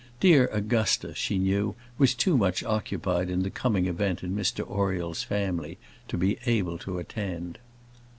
Dear Augusta, she knew, was too much occupied in the coming event in Mr Oriel's family to be able to attend.